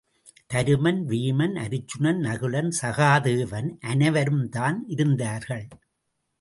தருமன், வீமன், அருச்சுனன், நகுலன், சகாதேவன் அனைவரும்தான் இருந்தார்கள்.